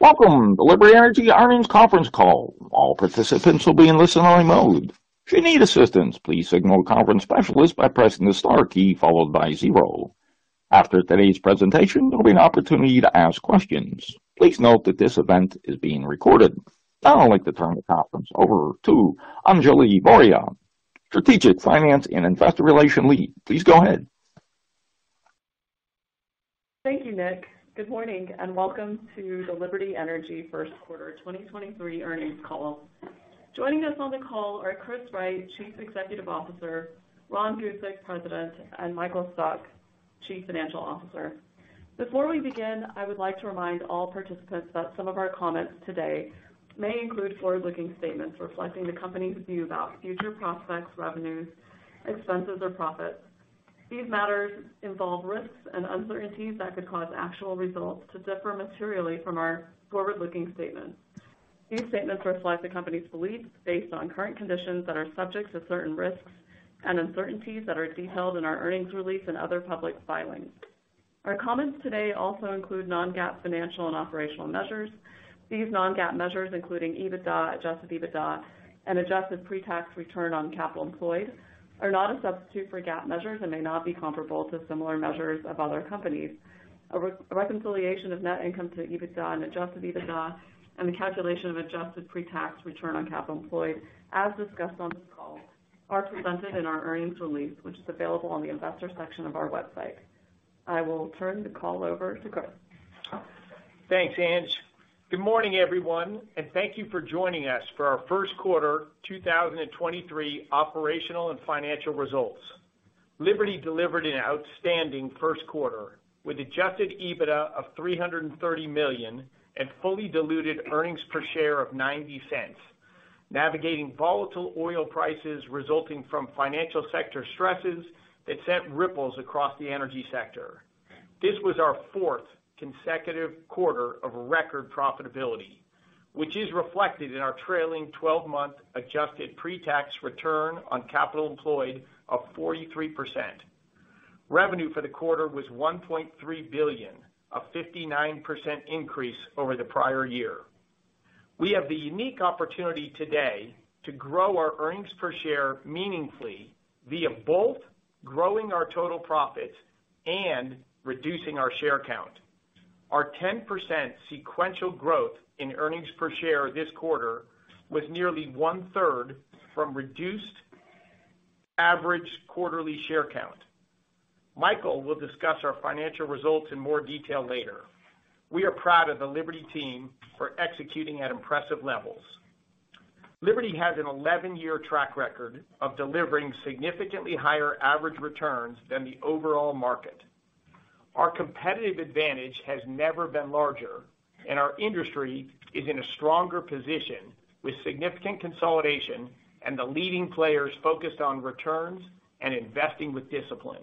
Welcome to Liberty Energy Earnings Conference Call. All participants will be in listen-only mode. If you need assistance, please signal a conference specialist by pressing the star key followed by zero. After today's presentation, there will be an opportunity to ask questions. Please note that this event is being recorded. I'd like to turn the conference over to Anjali Voria, Strategic Finance and Investor Relation Lead. Please go ahead. Thank you, Nick. Good morning and welcome to the Liberty Energy First Quarter 2023 Earnings Call. Joining us on the call are Chris Wright, Chief Executive Officer, Ron Gusek, President, and Michael Stock, Chief Financial Officer. Before we begin, I would like to remind all participants that some of our comments today may include forward-looking statements reflecting the company's view about future prospects, revenues, expenses or profits. These matters involve risks and uncertainties that could cause actual results to differ materially from our forward-looking statements. These statements reflect the company's beliefs based on current conditions that are subjects to certain risks and uncertainties that are detailed in our earnings release and other public filings. Our comments today also include non-GAAP financial and operational measures. These non-GAAP measures, including EBITDA, adjusted EBITDA, and adjusted pre-tax return on capital employed, are not a substitute for GAAP measures and may not be comparable to similar measures of other companies. A re-reconciliation of net income to EBITDA and adjusted EBITDA and the calculation of adjusted pre-tax return on capital employed, as discussed on this call, are presented in our earnings release, which is available on the investor section of our website. I will turn the call over to Chris. Thanks, Anj. Good morning, everyone, and thank you for joining us for our First Quarter 2023 Operational and Financial Results. Liberty delivered an outstanding first quarter with adjusted EBITDA of $330 million and fully diluted earnings per share of $0.90, navigating volatile oil prices resulting from financial sector stresses that sent ripples across the energy sector. This was our fourth consecutive quarter of record profitability, which is reflected in our trailing twelve-month adjusted pre-tax return on capital employed of 43%. Revenue for the quarter was $1.3 billion, a 59% increase over the prior year. We have the unique opportunity today to grow our earnings per share meaningfully via both growing our total profit and reducing our share count. Our 10% sequential growth in earnings per share this quarter was nearly one-third from reduced average quarterly share count. Michael will discuss our financial results in more detail later. We are proud of the Liberty team for executing at impressive levels. Liberty has an 11-year track record of delivering significantly higher average returns than the overall market. Our competitive advantage has never been larger, and our industry is in a stronger position with significant consolidation and the leading players focused on returns and investing with discipline.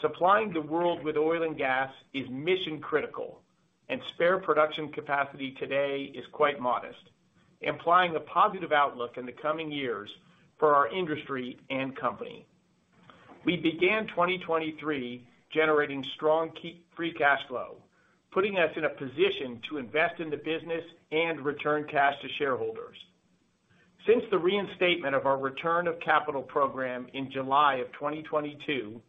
Supplying the world with oil and gas is mission critical, and spare production capacity today is quite modest, implying a positive outlook in the coming years for our industry and company. We began 2023 generating strong free cash flow, putting us in a position to invest in the business and return cash to shareholders. Since the reinstatement of our return of capital program in July of 2022,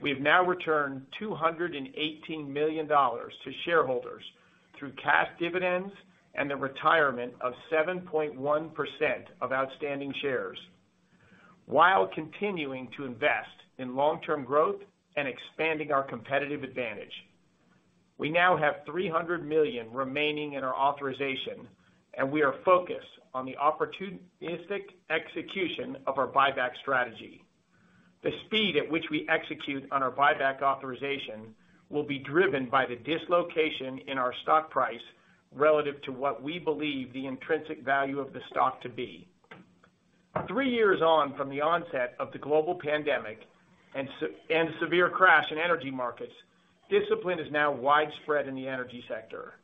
we've now returned $218 million to shareholders through cash dividends and the retirement of 7.1% of outstanding shares, while continuing to invest in long-term growth and expanding our competitive advantage. We now have $300 million remaining in our authorization, we are focused on the opportunistic execution of our buyback strategy. The speed at which we execute on our buyback authorization will be driven by the dislocation in our stock price relative to what we believe the intrinsic value of the stock to be. Three years on from the onset of the global pandemic and severe crash in energy markets, discipline is now widespread in the energy sector.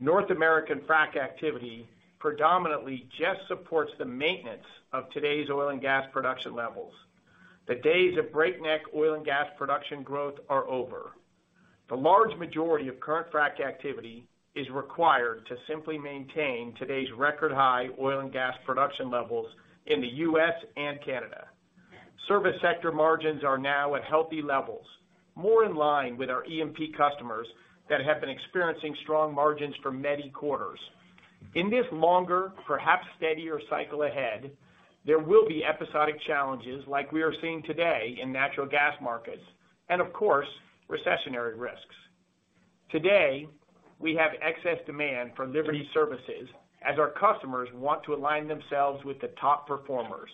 North American frac activity predominantly just supports the maintenance of today's oil and gas production levels. The days of breakneck oil and gas production growth are over. The large majority of current frack activity is required to simply maintain today's record high oil and gas production levels in the U.S. and Canada. Service sector margins are now at healthy levels, more in line with our E&P customers that have been experiencing strong margins for many quarters. In this longer, perhaps steadier cycle ahead, there will be episodic challenges like we are seeing today in natural gas markets, and of course, recessionary risks. Today, we have excess demand for Liberty services as our customers want to align themselves with the top performers.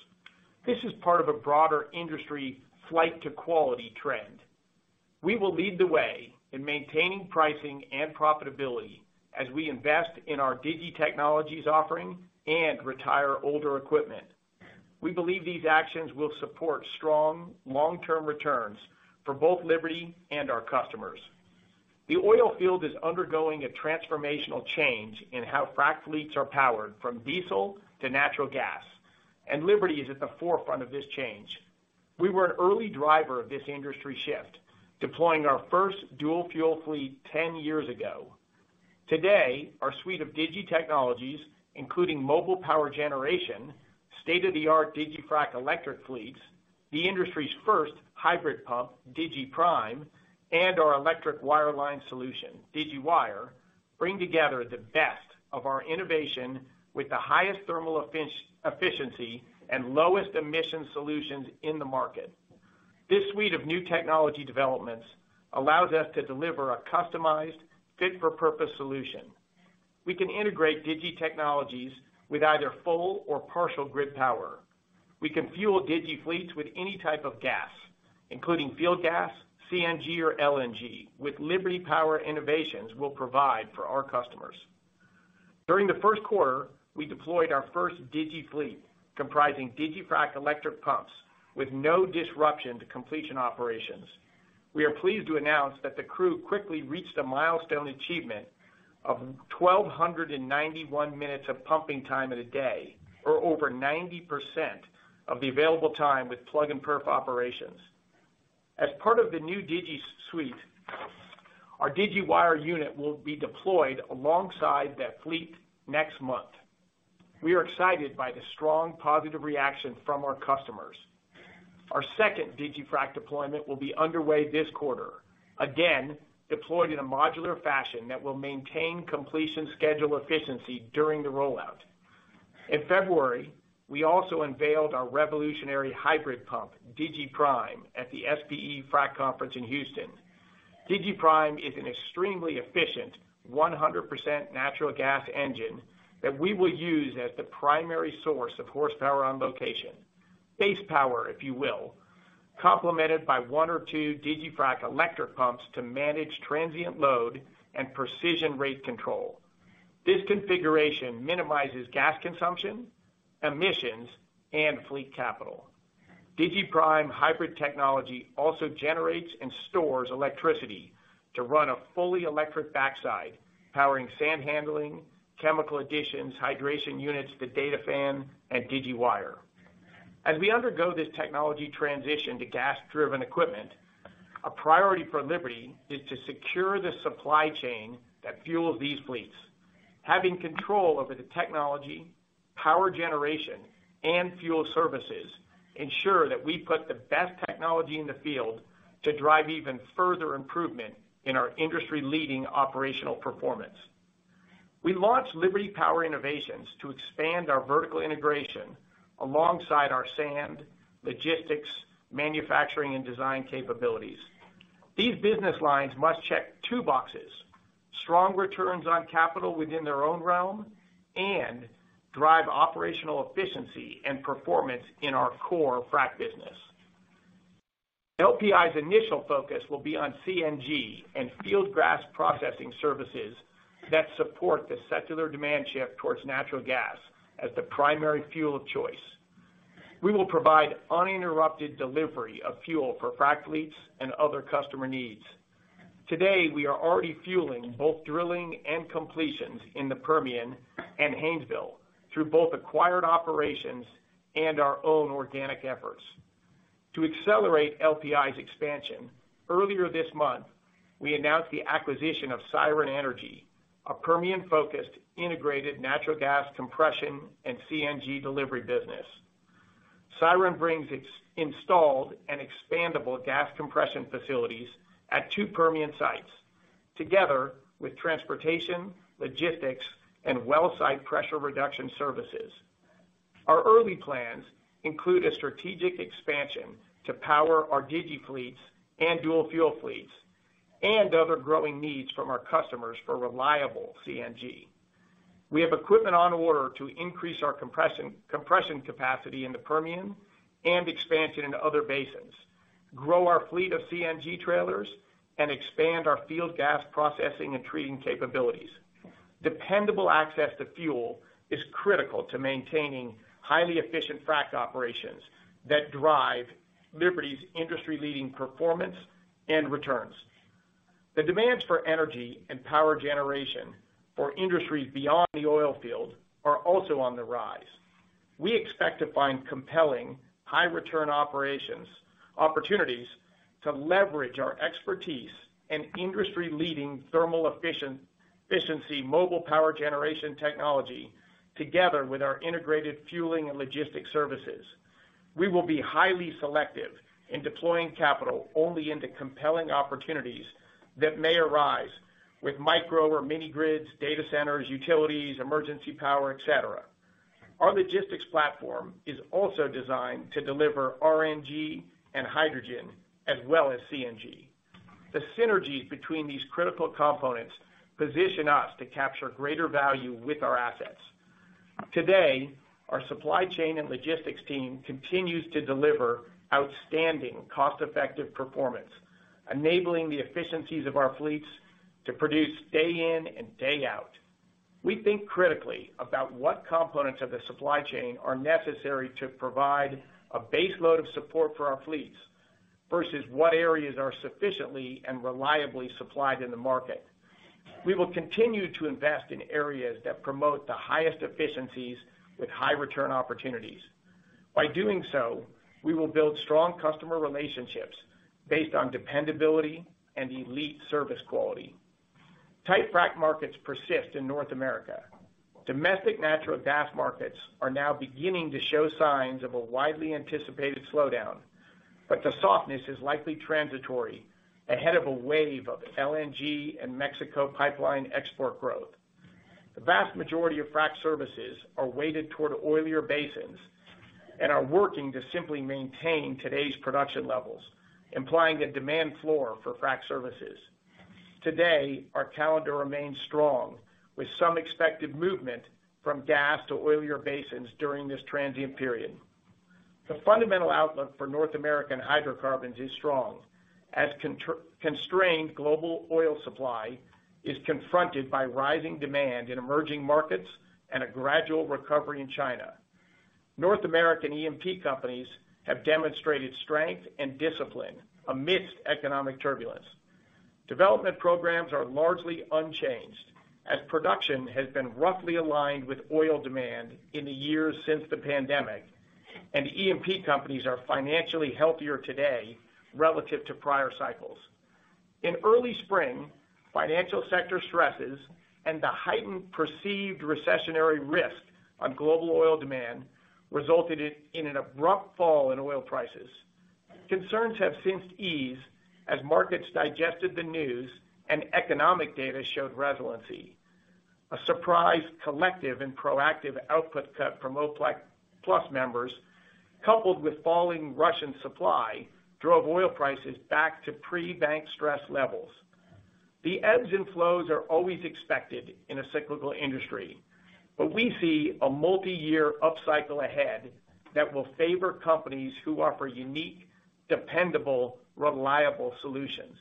This is part of a broader industry flight to quality trend. We will lead the way in maintaining pricing and profitability as we invest in our digiTechnologies offering and retire older equipment. We believe these actions will support strong long-term returns for both Liberty and our customers. The oil field is undergoing a transformational change in how frac fleets are powered from diesel to natural gas, and Liberty is at the forefront of this change. We were an early driver of this industry shift, deploying our first dual fuel fleet 10 years ago. Today, our suite of digiTechnologies, including mobile power generation, state-of-the-art digiFrac electric fleets, the industry's first hybrid pump, digiPrime, and our electric wireline solution, digiWire, bring together the best of our innovation with the highest thermal efficiency and lowest emission solutions in the market. This suite of new technology developments allows us to deliver a customized fit for purpose solution. We can integrate digiTechnologies with either full or partial grid power. We can fuel digiFleets with any type of gas, including field gas, CNG or LNG with Liberty Power Innovations we'll provide for our customers. During the first quarter, we deployed our first digiFleet comprising digiFrac electric pumps with no disruption to completion operations. We are pleased to announce that the crew quickly reached a milestone achievement of 1,291 minutes of pumping time in a day, or over 90% of the available time with Plug and Perf operations. As part of the new Digi suite, our digiWire unit will be deployed alongside that fleet next month. We are excited by the strong positive reaction from our customers. Our second digiFrac deployment will be underway this quarter, again, deployed in a modular fashion that will maintain completion schedule efficiency during the rollout. In February, we also unveiled our revolutionary hybrid pump, digiPrime, at the SPE Frac conference in Houston. digiPrime is an extremely efficient 100% natural gas engine that we will use as the primary source of horsepower on location. Base power if you will, complemented by one or two digiFrac electric pumps to manage transient load and precision rate control. This configuration minimizes gas consumption, emissions and fleet capital. digiPrime hybrid technology also generates and stores electricity to run a fully electric backside, powering sand handling, chemical additions, hydration units, the data fan and digiWire. As we undergo this technology transition to gas driven equipment, a priority for Liberty is to secure the supply chain that fuels these fleets. Having control over the technology, power generation and fuel services ensure that we put the best technology in the field to drive even further improvement in our industry leading operational performance. We launched Liberty Power Innovations to expand our vertical integration alongside our sand, logistics, manufacturing and design capabilities. These business lines must check two boxes, strong returns on capital within their own realm and drive operational efficiency and performance in our core frac business. LPI's initial focus will be on CNG and field gas processing services that support the secular demand shift towards natural gas as the primary fuel of choice. We will provide uninterrupted delivery of fuel for frac fleets and other customer needs. Today, we are already fueling both drilling and completions in the Permian and Haynesville through both acquired operations and our own organic efforts. To accelerate LPI's expansion, earlier this month, we announced the acquisition of Siren Energy, a Permian focused integrated natural gas compression and CNG delivery business. Siren brings its installed and expandable gas compression facilities at two Permian sites, together with transportation, logistics and well site pressure reduction services. Our early plans include a strategic expansion to power our digiFleets and dual fuel fleets and other growing needs from our customers for reliable CNG. We have equipment on order to increase our compression capacity in the Permian and expansion into other basins, grow our fleet of CNG trailers and expand our field gas processing and treating capabilities. Dependable access to fuel is critical to maintaining highly efficient frac operations that drive Liberty's industry leading performance and returns. The demands for energy and power generation for industries beyond the oil field are also on the rise. We expect to find compelling high return opportunities to leverage our expertise in industry leading thermal efficiency mobile power generation technology together with our integrated fueling and logistics services. We will be highly selective in deploying capital only into compelling opportunities that may arise with micro or mini grids, data centers, utilities, emergency power, et cetera. Our logistics platform is also designed to deliver RNG and hydrogen as well as CNG. The synergies between these critical components position us to capture greater value with our assets. Today, our supply chain and logistics team continues to deliver outstanding cost-effective performance, enabling the efficiencies of our fleets to produce day in and day out. We think critically about what components of the supply chain are necessary to provide a base load of support for our fleets versus what areas are sufficiently and reliably supplied in the market. We will continue to invest in areas that promote the highest efficiencies with high return opportunities. By doing so, we will build strong customer relationships based on dependability and elite service quality. Tight frac markets persist in North America. Domestic natural gas markets are now beginning to show signs of a widely anticipated slowdown. The softness is likely transitory ahead of a wave of LNG and Mexico pipeline export growth. The vast majority of frac services are weighted toward oilier basins and are working to simply maintain today's production levels, implying a demand floor for frac services. Today, our calendar remains strong, with some expected movement from gas to oilier basins during this transient period. The fundamental outlook for North American hydrocarbons is strong as constrained global oil supply is confronted by rising demand in emerging markets and a gradual recovery in China. North American E&P companies have demonstrated strength and discipline amidst economic turbulence. Development programs are largely unchanged as production has been roughly aligned with oil demand in the years since the pandemic. E&P companies are financially healthier today relative to prior cycles. In early spring, financial sector stresses and the heightened perceived recessionary risk on global oil demand resulted in an abrupt fall in oil prices. Concerns have since eased as markets digested the news and economic data showed resiliency. A surprise collective and proactive output cut from OPEC+ members, coupled with falling Russian supply, drove oil prices back to pre-bank stress levels. The ebbs and flows are always expected in a cyclical industry. We see a multiyear upcycle ahead that will favor companies who offer unique, dependable, reliable solutions.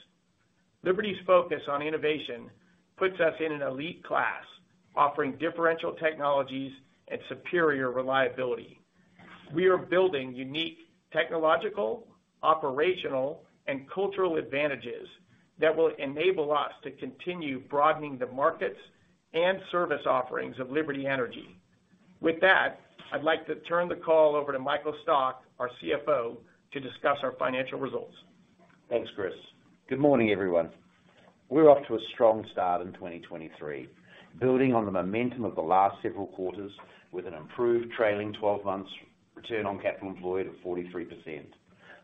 Liberty's focus on innovation puts us in an elite class, offering differential technologies and superior reliability. We are building unique technological, operational, and cultural advantages that will enable us to continue broadening the markets and service offerings of Liberty Energy. With that, I'd like to turn the call over to Michael Stock, our CFO, to discuss our financial results. Thanks, Chris. Good morning, everyone. We're off to a strong start in 2023, building on the momentum of the last several quarters with an improved trailing 12 months return on capital employed of 43%.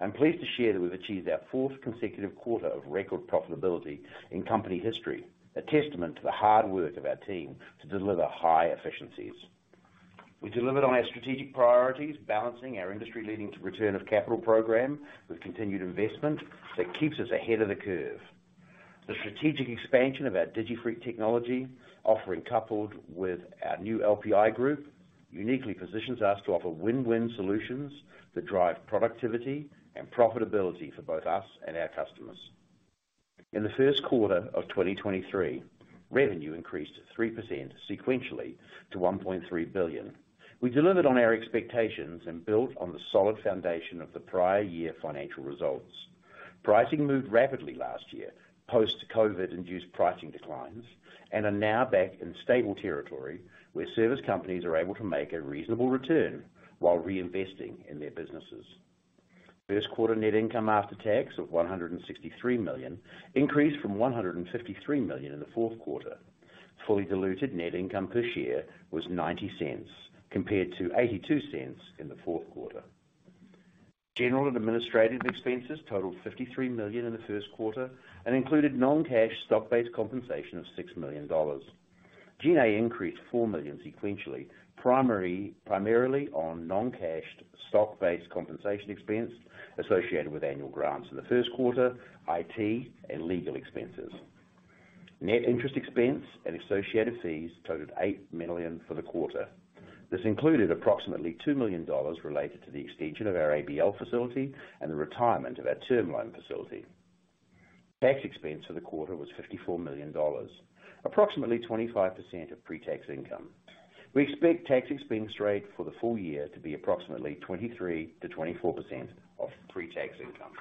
I'm pleased to share that we've achieved our fourth consecutive quarter of record profitability in company history, a testament to the hard work of our team to deliver high efficiencies. We delivered on our strategic priorities, balancing our industry-leading return of capital program with continued investment that keeps us ahead of the curve. The strategic expansion of our digiFrac technology offering, coupled with our new LPI group, uniquely positions us to offer win-win solutions that drive productivity and profitability for both us and our customers. In the first quarter of 2023, revenue increased 3% sequentially to $1.3 billion. We delivered on our expectations and built on the solid foundation of the prior year financial results. Pricing moved rapidly last year, post-COVID induced pricing declines, are now back in stable territory where service companies are able to make a reasonable return while reinvesting in their businesses. First quarter net income after tax of $163 million increased from $153 million in the fourth quarter. Fully diluted net income per share was $0.90 compared to $0.82 in the fourth quarter. General and administrative expenses totaled $53 million in the first quarter, included non-cash stock-based compensation of $6 million. G&A increased $4 million sequentially, primarily on non-cash stock-based compensation expense associated with annual grants in the first quarter, IT, and legal expenses. Net interest expense and associated fees totaled $8 million for the quarter. This included approximately $2 million related to the extension of our ABL facility and the retirement of our term loan facility. Tax expense for the quarter was $54 million, approximately 25% of pre-tax income. We expect tax expense rate for the full year to be approximately 23%-24% of pre-tax income.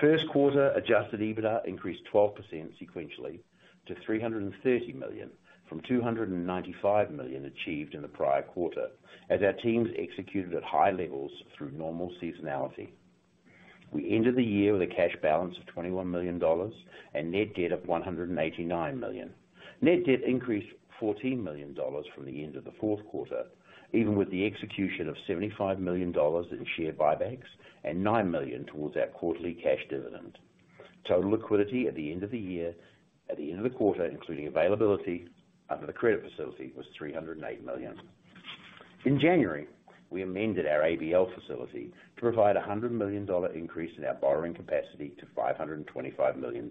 First quarter adjusted EBITDA increased 12% sequentially to $330 million from $295 million achieved in the prior quarter as our teams executed at high levels through normal seasonality. We ended the year with a cash balance of $21 million and net debt of $189 million. Net debt increased $14 million from the end of the fourth quarter, even with the execution of $75 million in share buybacks and $9 million towards our quarterly cash dividend. Total liquidity at the end of the quarter, including availability under the credit facility was $308 million. In January, we amended our ABL facility to provide a $100 million increase in our borrowing capacity to $525 million.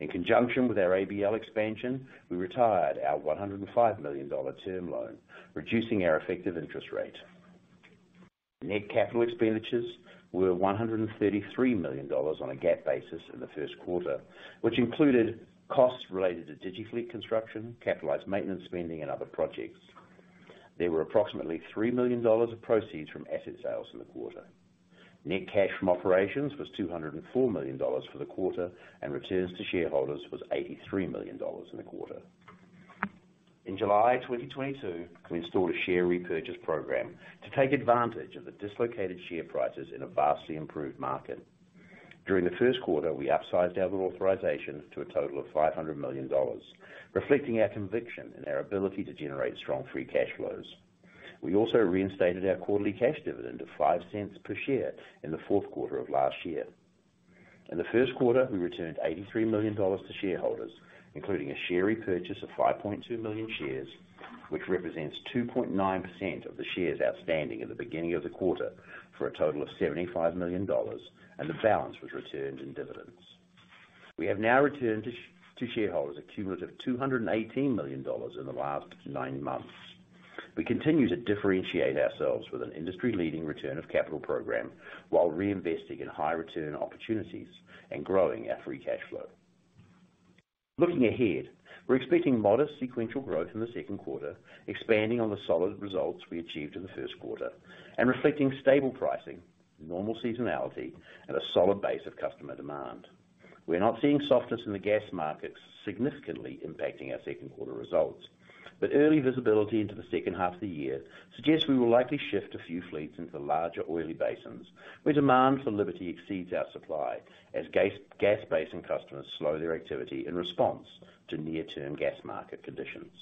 In conjunction with our ABL expansion, we retired our $105 million term loan, reducing our effective interest rate. Net capital expenditures were $133 million on a GAAP basis in the first quarter, which included costs related to digiFleet construction, capitalized maintenance spending and other projects. There were approximately $3 million of proceeds from asset sales in the quarter. Net cash from operations was $204 million for the quarter. Returns to shareholders was $83 million in the quarter. In July 2022, we installed a share repurchase program to take advantage of the dislocated share prices in a vastly improved market. During the first quarter, we upsized our authorization to a total of $500 million, reflecting our conviction and our ability to generate strong free cash flows. We also reinstated our quarterly cash dividend of $0.05 per share in the fourth quarter of last year. In the first quarter, we returned $83 million to shareholders, including a share repurchase of 5.2 million shares, which represents 2.9% of the shares outstanding at the beginning of the quarter for a total of $75 million, and the balance was returned in dividends. We have now returned to shareholders a cumulative $218 million in the last nine months. We continue to differentiate ourselves with an industry-leading return of capital program while reinvesting in high return opportunities and growing our free cash flow. Looking ahead, we're expecting modest sequential growth in the second quarter, expanding on the solid results we achieved in the first quarter and reflecting stable pricing, normal seasonality, and a solid base of customer demand. We're not seeing softness in the gas markets significantly impacting our second quarter results. Early visibility into the second half of the year suggests we will likely shift a few fleets into larger oily basins, where demand for Liberty exceeds our supply as gas basin customers slow their activity in response to near-term gas market conditions.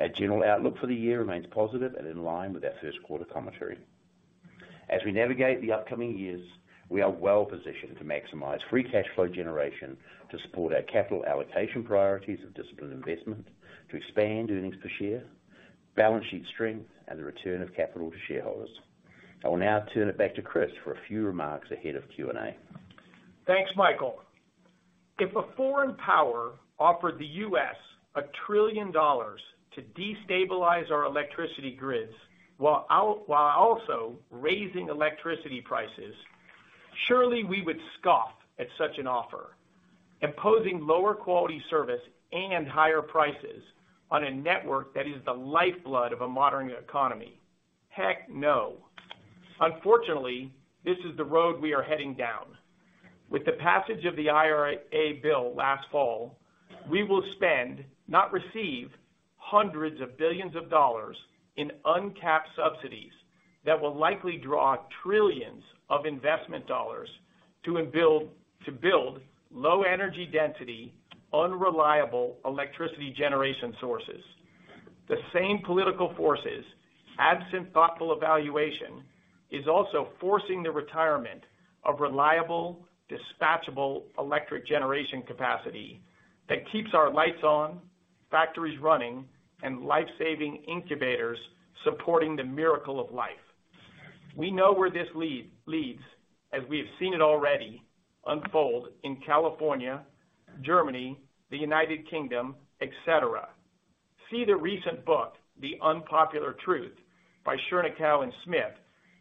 Our general outlook for the year remains positive and in line with our first quarter commentary. As we navigate the upcoming years, we are well-positioned to maximize free cash flow generation to support our capital allocation priorities of disciplined investment, to expand earnings per share, balance sheet strength, and the return of capital to shareholders. I will now turn it back to Chris for a few remarks ahead of Q&A. Thanks, Michael. If a foreign power offered the U.S. $1 trillion to destabilize our electricity grids while also raising electricity prices, surely we would scoff at such an offer, imposing lower quality service and higher prices on a network that is the lifeblood of a modern economy. Heck, no. Unfortunately, this is the road we are heading down. With the passage of the IRA bill last fall, we will spend, not receive, hundreds of billions of dollars in uncapped subsidies that will likely draw trillions of investment dollars to build low energy density, unreliable electricity generation sources. The same political forces, absent thoughtful evaluation, is also forcing the retirement of reliable, dispatchable electric generation capacity that keeps our lights on, factories running, and life-saving incubators supporting the miracle of life. We know where this leads, as we have seen it already unfold in California, Germany, the United Kingdom, et cetera. See the recent book, The Unpopular Truth, by Schernikau and Smith,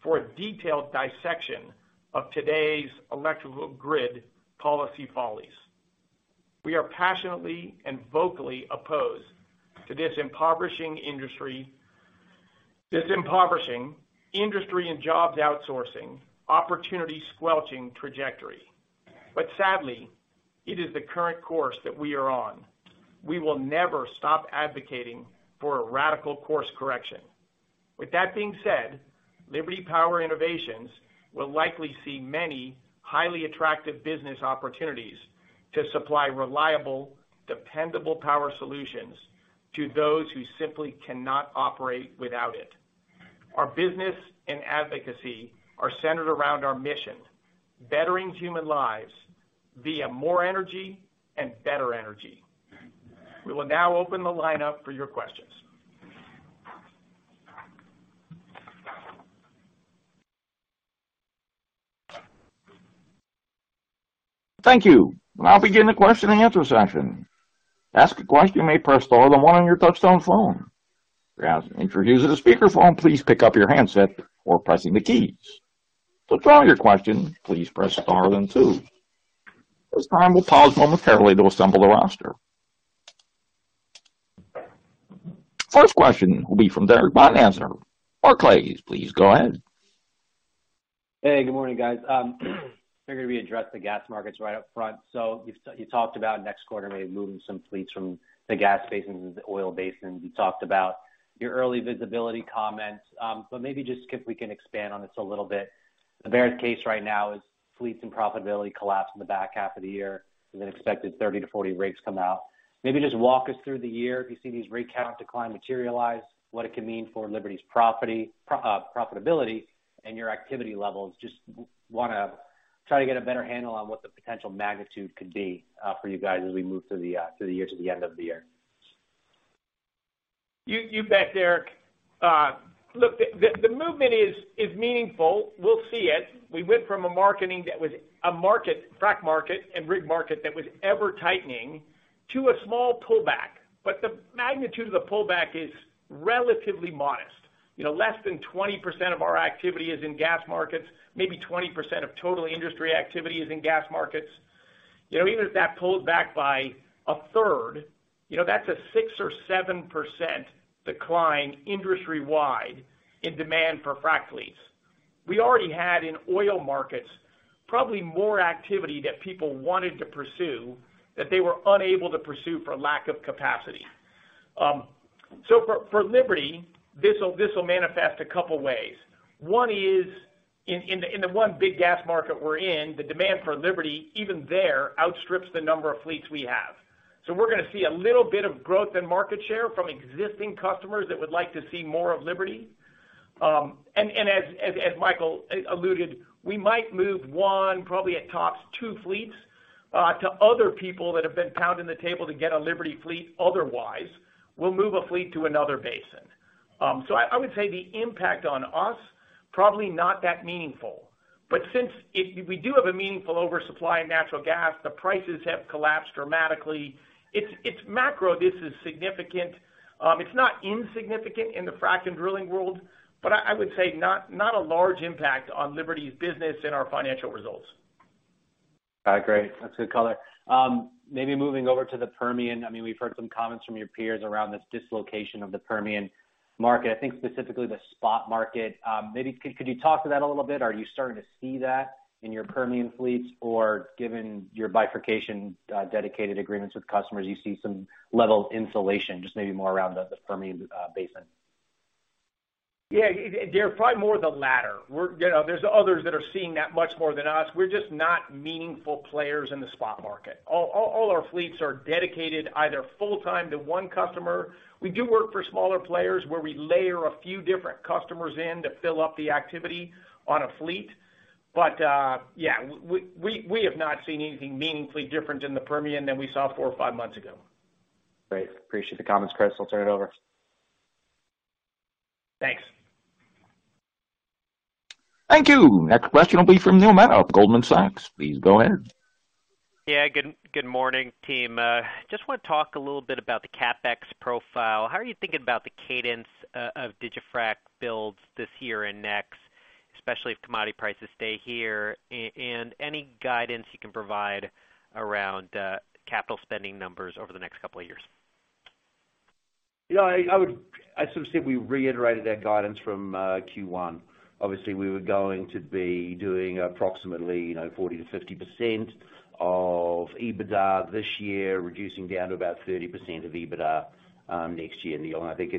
for a detailed dissection of today's electrical grid policy follies. We are passionately and vocally opposed to this impoverishing industry and jobs outsourcing, opportunity-squelching trajectory. Sadly, it is the current course that we are on. We will never stop advocating for a radical course correction. With that being said, Liberty Power Innovations will likely see many highly attractive business opportunities to supply reliable, dependable power solutions to those who simply cannot operate without it. Our business and advocacy are centered around our mission, bettering human lives via more energy and better energy. We will now open the lineup for your questions. Thank you. I'll begin the question and answer session. To ask a question, you may press star then one on your touch-tone phone. If you're using a speakerphone, please pick up your handset before pressing the keys. To withdraw your question, please press star then two. At this time, we'll pause momentarily to assemble the roster. First question will be from Derek Podhaizer. Barclays, please go ahead. Hey, good morning, guys. figured we address the gas markets right up front. You talked about next quarter, maybe moving some fleets from the gas basins into the oil basins. You talked about your early visibility comments. Maybe just if we can expand on this a little bit. The bear case right now is fleets and profitability collapse in the back half of the year as an expected 30-40 rigs come out. Maybe just walk us through the year if you see these rig count decline materialize, what it could mean for Liberty's profitability and your activity levels. Just wanna try to get a better handle on what the potential magnitude could be for you guys as we move through the through the year to the end of the year. You bet, Derek. Look, the movement is meaningful. We'll see it. We went from a marketing that was a market, frac market and rig market that was ever tightening to a small pullback, but the magnitude of the pullback is relatively modest. You know, less than 20% of our activity is in gas markets. Maybe 20% of total industry activity is in gas markets. You know, even if that pulled back by a third, you know, that's a 6% or 7% decline industry-wide in demand for frac fleets. We already had in oil markets, probably more activity that people wanted to pursue that they were unable to pursue for lack of capacity. So for Liberty, this'll manifest a couple ways. One is in the one big gas market we're in, the demand for Liberty even there outstrips the number of fleets we have. We're gonna see a little bit of growth in market share from existing customers that would like to see more of Liberty. As Michael alluded, we might move one, probably at tops two fleets, to other people that have been pounding the table to get a Liberty fleet. Otherwise, we'll move a fleet to another basin. I would say the impact on us, probably not that meaningful, but since we do have a meaningful oversupply in natural gas, the prices have collapsed dramatically. It's macro. This is significant. It's not insignificant in the frac and drilling world, but I would say not a large impact on Liberty's business and our financial results. Great. That's good color. I mean, maybe moving over to the Permian. I mean, we've heard some comments from your peers around this dislocation of the Permian market. I think specifically the spot market. Maybe could you talk to that a little bit? Are you starting to see that in your Permian fleets? Given your bifurcation, dedicated agreements with customers, you see some level of insulation, just maybe more around the Permian Basin? Yeah, they're probably more the latter. We're, you know, there's others that are seeing that much more than us. We're just not meaningful players in the spot market. All our fleets are dedicated either full-time to one customer. We do work for smaller players where we layer a few different customers in to fill up the activity on a fleet. Yeah, we have not seen anything meaningfully different in the Permian than we saw four or five months ago. Great. Appreciate the comments, Chris. I'll turn it over. Thanks. Thank you. Next question will be from Neil Mehta of Goldman Sachs. Please go ahead. Good, good morning, team. Just wanna talk a little bit about the CapEx profile. How are you thinking about the cadence of digiFrac builds this year and next, especially if commodity prices stay here? Any guidance you can provide around capital spending numbers over the next couple of years? You know, as we said, we reiterated that guidance from Q1. Obviously, we were going to be doing approximately, you know, 40%-50% of EBITDA this year, reducing down to about 30% of EBITDA next year, Neil. I think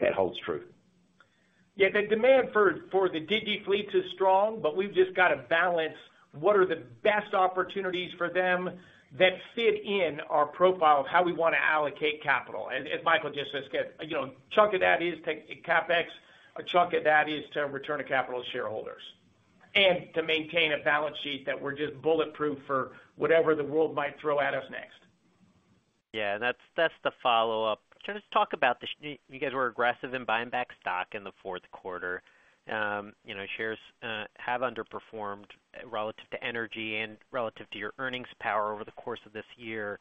that holds true. Yeah. The demand for the digiFleets is strong, but we've just got to balance what are the best opportunities for them that fit in our profile of how we wanna allocate capital. As Michael just said, you know, a chunk of that is CapEx, a chunk of that is to return to capital shareholders and to maintain a balance sheet that we're just bulletproof for whatever the world might throw at us next. Yeah. That's, that's the follow-up. Can you just talk about you guys were aggressive in buying back stock in the fourth quarter. You know, shares have underperformed relative to energy and relative to your earnings power over the course of this year.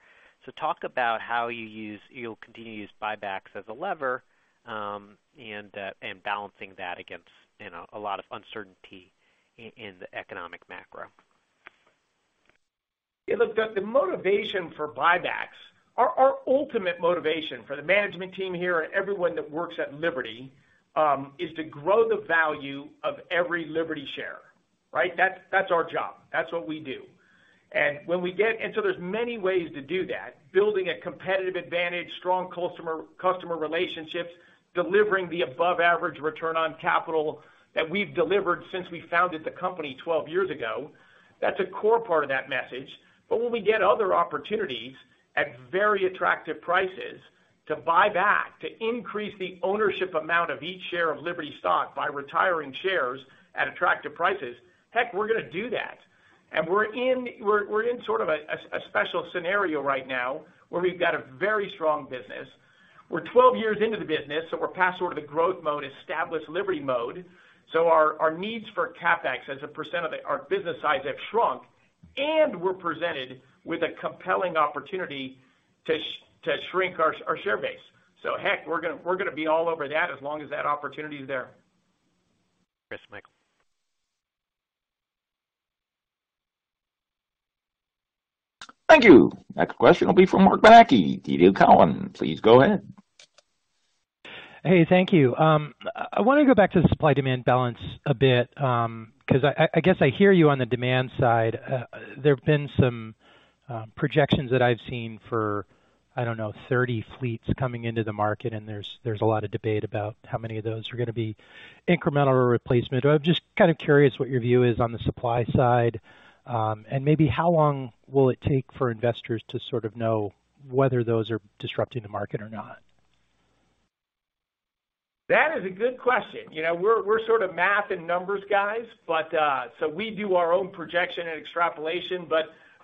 Talk about how you'll continue to use buybacks as a lever, and balancing that against, you know, a lot of uncertainty in the economic macro. Yeah, look, the motivation for buybacks, our ultimate motivation for the management team here and everyone that works at Liberty, is to grow the value of every Liberty share, right? That's our job. That's what we do. There's many ways to do that, building a competitive advantage, strong customer relationships, delivering the above average return on capital that we've delivered since we founded the company 12 years ago. That's a core part of that message. When we get other opportunities at very attractive prices to buy back, to increase the ownership amount of each share of Liberty stock by retiring shares at attractive prices, heck, we're gonna do that. We're in sort of a special scenario right now where we've got a very strong business. We're 12 years into the business, we're past sort of the growth mode, established Liberty mode. Our needs for CapEx as a percentage of our business size have shrunk, and we're presented with a compelling opportunity to shrink our share base. Heck, we're gonna be all over that as long as that opportunity is there. Thanks, Michael. Thank you. Next question will be from Marc Bianchi, TD Cowen. Please go ahead. Hey, thank you. I wanna go back to the supply-demand balance a bit. I guess I hear you on the demand side. There have been some projections that I've seen for, I don't know, 30 fleets coming into the market, and there's a lot of debate about how many of those are gonna be incremental or replacement. I'm just kind of curious what your view is on the supply side, and maybe how long will it take for investors to sort of know whether those are disrupting the market or not? That is a good question. You know, we're sort of math and numbers guys, but so we do our own projection and extrapolation.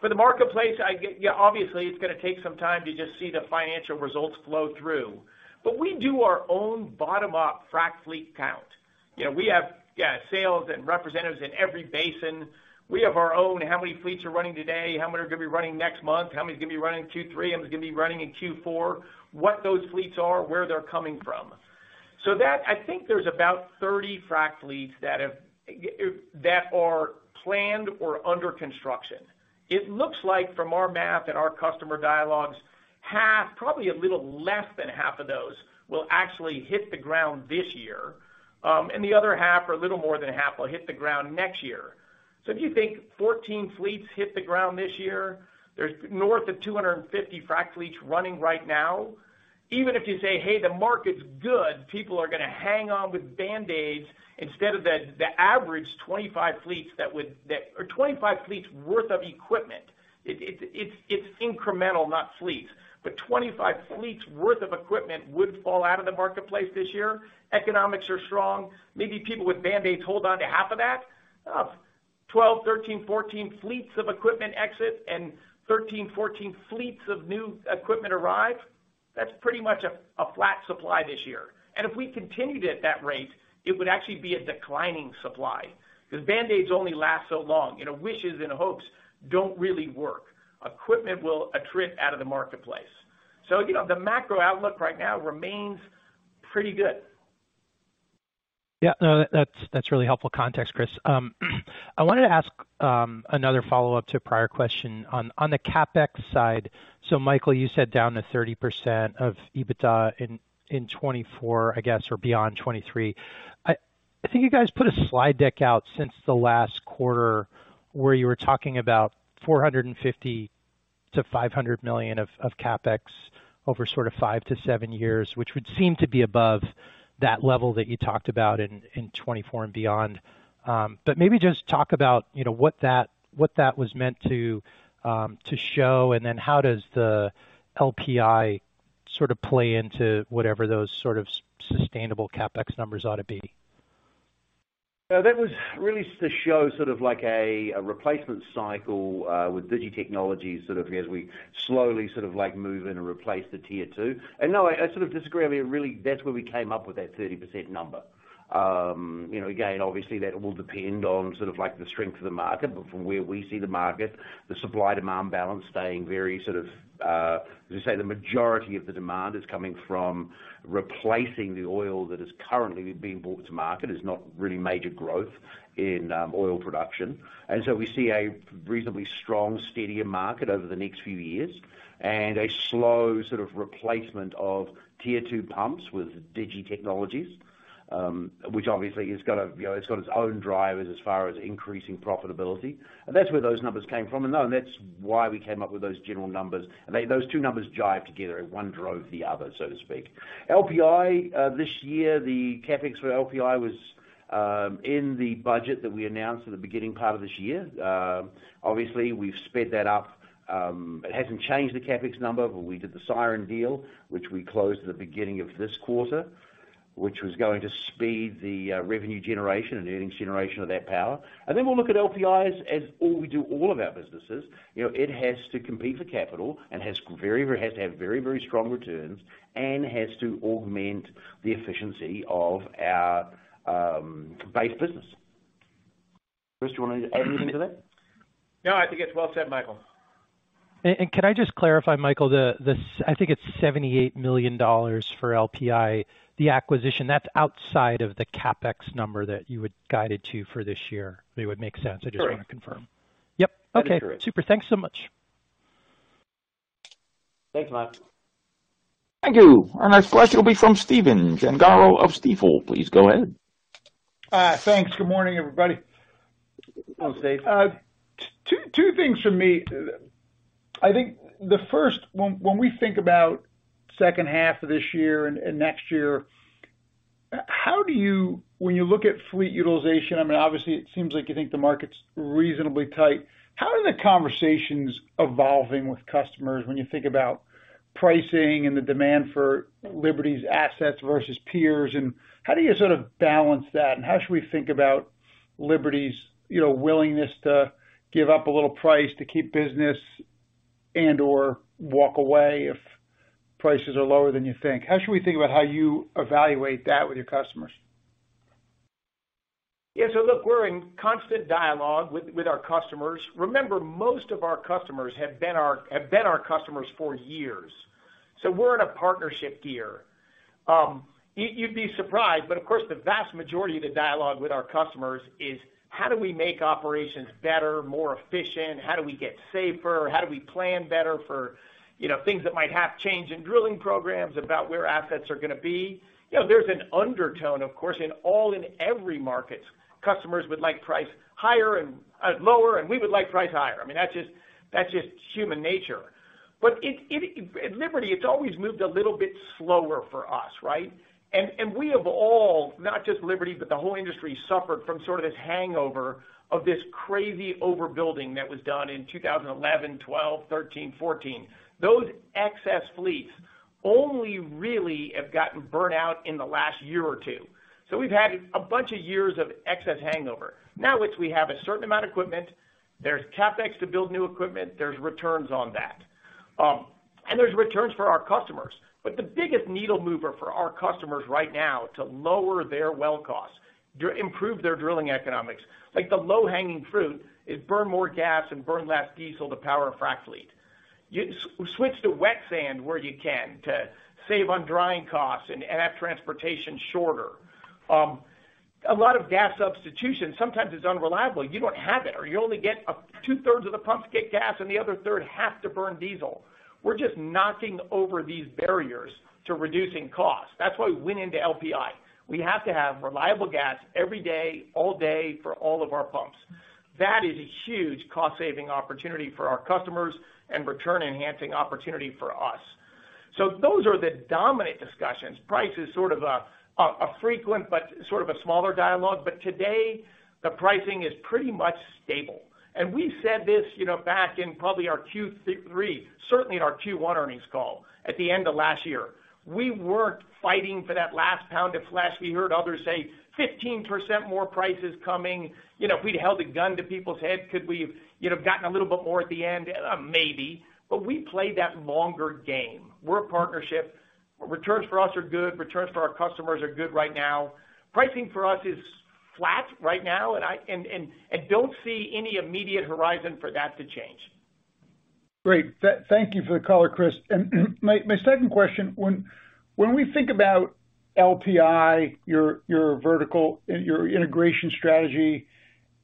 For the marketplace, yeah, obviously it's gonna take some time to just see the financial results flow through. We do our own bottom-up frac fleet count. You know, we have, yeah, sales and representatives in every basin. We have our own, how many fleets are running today? How many are gonna be running next month? How many is gonna be running in Q3? How many is gonna be running in Q4? What those fleets are, where they're coming from. I think there's about 30 frac fleets that are planned or under construction. It looks like from our math and our customer dialogues, half, probably a little less than half of those will actually hit the ground this year. The other half or a little more than half will hit the ground next year. If you think 14 fleets hit the ground this year, there's north of 250 frac fleets running right now. Even if you say, "Hey, the market's good," people are gonna hang on with band-aids instead of the average 25 fleets that or 25 fleets worth of equipment. It's incremental, not fleets. 25 fleets worth of equipment would fall out of the marketplace this year. Economics are strong. Maybe people with band-aids hold onto half of that. 12, 13, 14 fleets of equipment exit and 13, 14 fleets of new equipment arrive. That's pretty much a flat supply this year. If we continued at that rate, it would actually be a declining supply. The band-aids only last so long. You know, wishes and hopes don't really work. Equipment will attrit out of the marketplace. You know, the macro outlook right now remains pretty good. Yeah, no, that's really helpful context, Chris Wright. I wanted to ask another follow-up to a prior question. On the CapEx side, Michael Stock, you said down to 30% of EBITDA in 2024, I guess, or beyond 2023. I think you guys put a slide deck out since the last quarter where you were talking about $450 million-$500 million of CapEx over sort of five to seven years, which would seem to be above that level that you talked about in 2024 and beyond. Maybe just talk about, you know, what that was meant to show, and then how does the LPI sort of play into whatever those sort of sustainable CapEx numbers ought to be. Yeah. That was really to show sort of like a replacement cycle with digi technology, sort of as we slowly sort of like move in or replace the Tier II. No, I sort of disagree. I mean, really that's where we came up with that 30% number. You know, again, obviously that will depend on sort of like the strength of the market, but from where we see the market, the supply-demand balance staying very sort of, as we say, the majority of the demand is coming from replacing the oil that is currently being brought to market. It's not really major growth in oil production. We see a reasonably strong, steadier market over the next few years and a slow sort of replacement of Tier II pumps with digiTechnologies, which obviously has got, you know, its own drivers as far as increasing profitability. That's where those numbers came from. No, that's why we came up with those general numbers. Those two numbers jive together and one drove the other, so to speak. LPI, this year, the CapEx for LPI was in the budget that we announced in the beginning part of this year. Obviously, we've sped that up. It hasn't changed the CapEx number, but we did the Siren deal, which we closed at the beginning of this quarter, which was going to speed the revenue generation and earnings generation of that power. We'll look at LPI as all we do, all of our businesses. You know, it has to compete for capital and it has to have very, very strong returns and has to augment the efficiency of our base business. Chris, do you want to add anything to that? No, I think it's well said, Michael. Can I just clarify, Michael? I think it's $78 million for LPI, the acquisition. That's outside of the CapEx number that you had guided to for this year. That would make sense. Correct. I just want to confirm. Yep. Okay. That is correct. Super. Thanks so much. Thanks, Mike. Thank you. Our next question will be from Stephen Gengaro of Stifel. Please go ahead. Thanks. Good morning, everybody. Morning, Steve. Two, two things from me. I think the first, when we think about second half of this year and next year, how do you, when you look at fleet utilization, I mean, obviously it seems like you think the market's reasonably tight. How are the conversations evolving with customers when you think about pricing and the demand for Liberty's assets versus peers, and how do you sort of balance that, and how should we think about Liberty's, you know, willingness to give up a little price to keep business and/or walk away if prices are lower than you think? How should we think about how you evaluate that with your customers? Yeah. Look, we're in constant dialogue with our customers. Remember, most of our customers have been our customers for years, so we're in a partnership here. You'd be surprised, of course, the vast majority of the dialogue with our customers is how do we make operations better, more efficient? How do we get safer? How do we plan better for, you know, things that might have change in drilling programs about where assets are gonna be? You know, there's an undertone, of course, in every market. Customers would like price higher and lower, and we would like price higher. I mean, that's just, that's just human nature. It, at Liberty, it's always moved a little bit slower for us, right? We have all, not just Liberty, but the whole industry suffered from sort of this hangover of this crazy overbuilding that was done in 2011, 2012, 2013, 2014. Those excess fleets only really have gotten burnt out in the last year or two. We've had a bunch of years of excess hangover. Now which we have a certain amount of equipment. There's CapEx to build new equipment. There's returns on that. And there's returns for our customers. The biggest needle mover for our customers right now to lower their well costs, to improve their drilling economics, like the low-hanging fruit is burn more gas and burn less diesel to power a frac fleet. You switch to wet sand where you can to save on drying costs and have transportation shorter. A lot of gas substitution, sometimes it's unreliable. You don't have it, or you only get a two-thirds of the pumps get gas and the other third have to burn diesel. We're just knocking over these barriers to reducing costs. That's why we went into LPI. We have to have reliable gas every day, all day for all of our pumps. That is a huge cost saving opportunity for our customers and return enhancing opportunity for us. Those are the dominant discussions. Price is sort of a, a frequent but sort of a smaller dialogue. Today, the pricing is pretty much stable. We said this, you know, back in probably our Q3, certainly in our Q1 earnings call at the end of last year. We weren't fighting for that last pound of flesh. We heard others say, 15% more prices coming. You know, if we'd held a gun to people's heads, could we have, you know, gotten a little bit more at the end? Maybe. We played that longer game. We're a partnership. Returns for us are good, returns for our customers are good right now. Pricing for us is flat right now, and I don't see any immediate horizon for that to change. Great. Thank you for the color, Chris. My second question, when we think about LPI, your vertical, your integration strategy,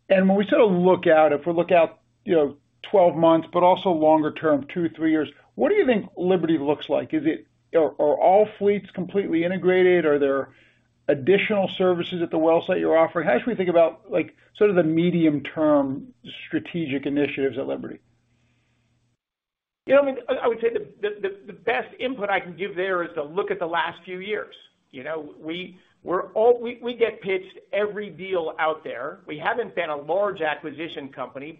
and when we sort of look out, if we look out, you know, 12 months, but also longer term, two, three years, what do you think Liberty looks like? Are all fleets completely integrated? Are there additional services at the well site you're offering? How should we think about like, sort of the medium-term strategic initiatives at Liberty? You know what I mean? I would say the best input I can give there is to look at the last few years. You know, we get pitched every deal out there. We haven't been a large acquisition company.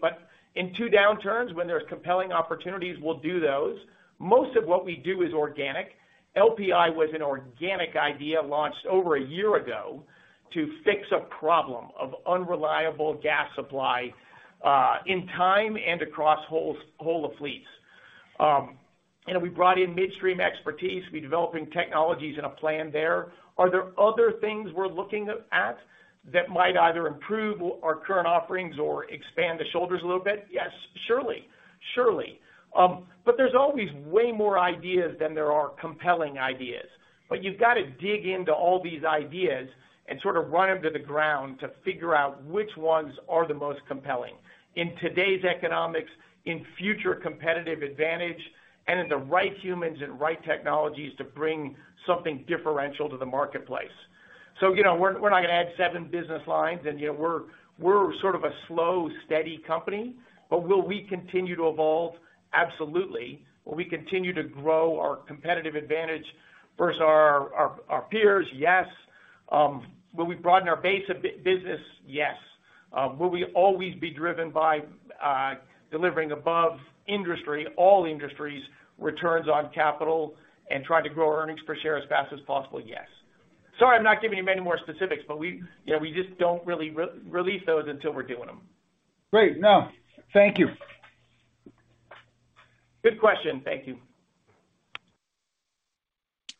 In two downturns, when there's compelling opportunities, we'll do those. Most of what we do is organic. LPI was an organic idea launched over a year ago to fix a problem of unreliable gas supply in time and across whole fleets. We brought in midstream expertise. We're developing technologies and a plan there. Are there other things we're looking at that might either improve our current offerings or expand the shoulders a little bit? Yes, surely. Surely. There's always way more ideas than there are compelling ideas. You've got to dig into all these ideas and sort of run them to the ground to figure out which ones are the most compelling in today's economics, in future competitive advantage, and in the right humans and right technologies to bring something differential to the marketplace. You know, we're not gonna add seven business lines and, you know, we're sort of a slow, steady company. Will we continue to evolve? Absolutely. Will we continue to grow our competitive advantage versus our peers? Yes. Will we broaden our base of business? Yes. Will we always be driven by delivering above industry, all industries, returns on capital and trying to grow earnings per share as fast as possible? Yes. Sorry, I'm not giving you many more specifics, but we, you know, we just don't really re-release those until we're doing them. Great. No. Thank you. Good question. Thank you.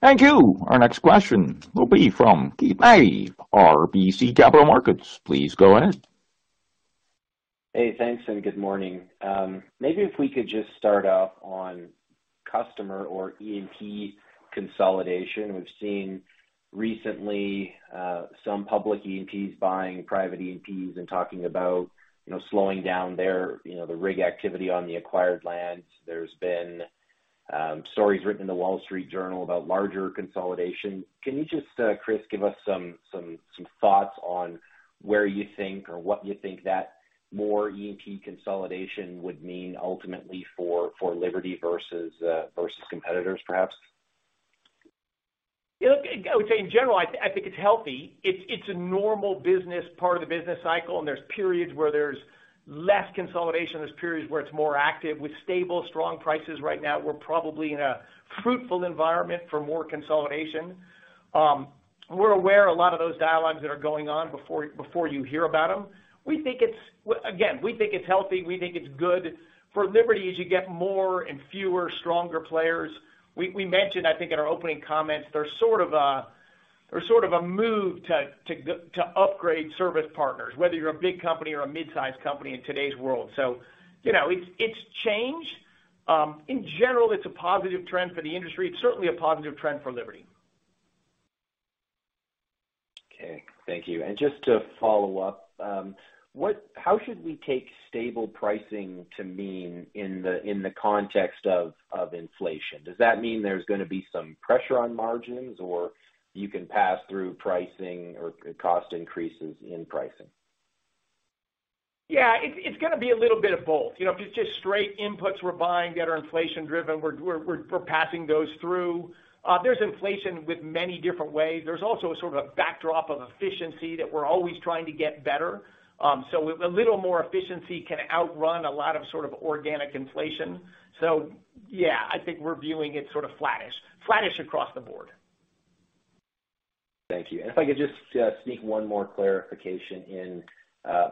Thank you. Our next question will be from Keith Mackey, RBC Capital Markets. Please go ahead. Hey, thanks. Good morning. Maybe if we could just start off on customer or E&P consolidation. We've seen recently, some public E&Ps buying private E&Ps and talking about, you know, slowing down their, you know, the rig activity on the acquired lands. There's been stories written in The Wall Street Journal about larger consolidation. Can you just, Chris, give us some thoughts on where you think or what you think that more E&P consolidation would mean ultimately for Liberty versus competitors, perhaps? Yeah, look, I would say in general, I think it's healthy. It's a normal business, part of the business cycle, and there's periods where there's less consolidation, there's periods where it's more active. With stable, strong prices right now, we're probably in a fruitful environment for more consolidation. We're aware a lot of those dialogues that are going on before you hear about them. We think it's. Again, we think it's healthy. We think it's good for Liberty as you get more and fewer stronger players. We mentioned, I think in our opening comments, there's sort of a move to upgrade service partners, whether you're a big company or a mid-sized company in today's world. you know, it's changed. In general, it's a positive trend for the industry. It's certainly a positive trend for Liberty. Okay. Thank you. Just to follow up, how should we take stable pricing to mean in the context of inflation? Does that mean there's gonna be some pressure on margins or you can pass through pricing or cost increases in pricing? It's gonna be a little bit of both. You know, if it's just straight inputs we're buying that are inflation driven, we're passing those through. There's inflation with many different ways. There's also a sort of a backdrop of efficiency that we're always trying to get better. A little more efficiency can outrun a lot of sort of organic inflation. Yeah, I think we're viewing it sort of flattish across the board. Thank you. If I could just sneak one more clarification in.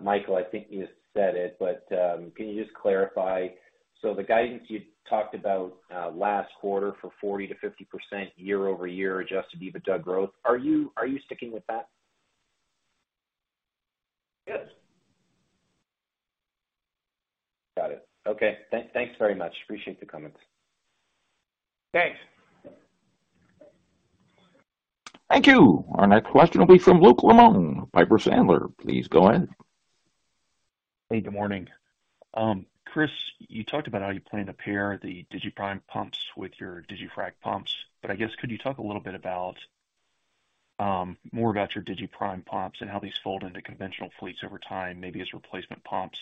Michael, I think you said it, but can you just clarify? The guidance you talked about last quarter for 40%-50% year-over-year adjusted EBITDA growth, are you sticking with that? Yes. Got it. Okay. Thanks very much. Appreciate the comments. Thanks. Thank you. Our next question will be from Luke Lemoine, Piper Sandler. Please go ahead. Hey, good morning. Chris, you talked about how you plan to pair the digiPrime pumps with your digiFrac pumps. I guess could you talk a little bit about more about your digiPrime pumps and how these fold into conventional fleets over time, maybe as replacement pumps,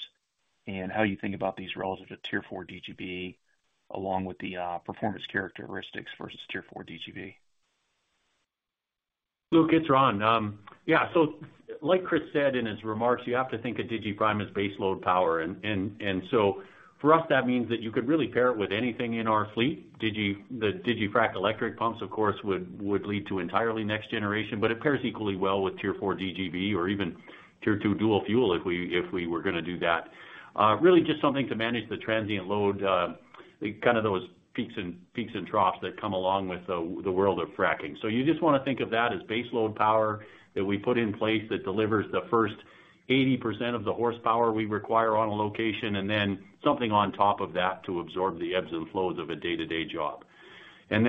and how you think about these relative to Tier IV DGB along with the performance characteristics versus Tier IV DGB. Luke, it's Ron. Yeah. Like Chris said in his remarks, you have to think of digiPrime as baseload power. For us, that means that you could really pair it with anything in our fleet. The digiFrac electric pumps, of course, would lead to entirely next generation, but it pairs equally well with Tier IV DGB or even Tier II dual fuel if we were gonna do that. Really just something to manage the transient load, kind of those peaks and troughs that come along with the world of fracking. You just wanna think of that as baseload power that we put in place that delivers the first 80% of the horsepower we require on a location, and then something on top of that to absorb the ebbs and flows of a day-to-day job. As